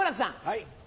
はい。